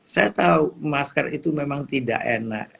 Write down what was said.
saya tahu masker itu memang tidak enak